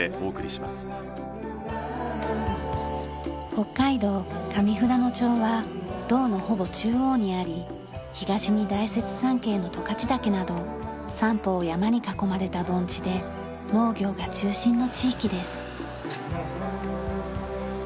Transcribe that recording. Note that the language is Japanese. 北海道上富良野町は道のほぼ中央にあり東に大雪山系の十勝岳など三方を山に囲まれた盆地で農業が中心の地域です。